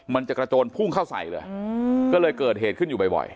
มันจะกระโจนพุ่งเข้าใส่เลยก็เลยเกิดเหตุขึ้นอยู่บ่อย